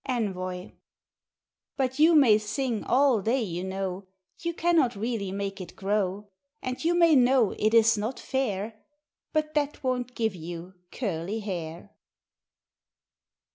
[Envoi] But you may sing all day, you know; You cannot really make it grow. And you may know it is Not Fair; But that won't give you Curly Hair.